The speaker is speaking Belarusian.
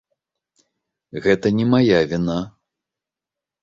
Гэта не мая віна.